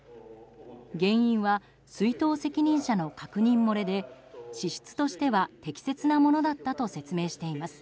原因は出納責任者の確認漏れで支出としては適切なものだったと説明しています。